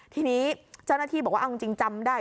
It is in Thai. ทีนี้เจ้าหน้าที่บอกว่าเอาจริงจำได้